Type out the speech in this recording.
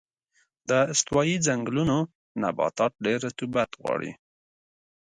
د استوایي ځنګلونو نباتات ډېر رطوبت غواړي.